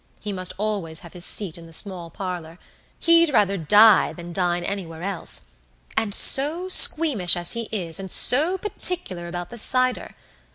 He must always have his seat in the small parlour. He'd rather die than dine anywhere else. And so squeamish as he is, and so particular about the cider!